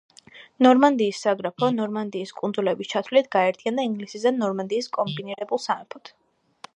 ნორმანდიის საგრაფო, ნორმანდიის კუნძულების ჩათვლით, გაერთიანდა ინგლისის და ნორმანდიის კომბინირებულ სამეფოდ.